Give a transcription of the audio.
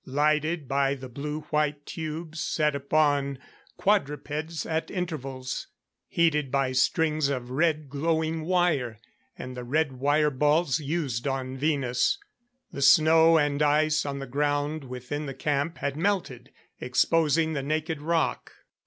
Lighted by the blue white tubes set upon quadrupeds at intervals; heated by strings of red glowing wire and the red wire balls used on Venus. The snow and ice on the ground within the camp had melted, exposing the naked rock.